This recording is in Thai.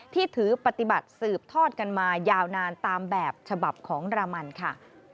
ที่ถือปฏิบัติสืบทอดกันมายาวนานตามแบบฉบับของรามันค่ะ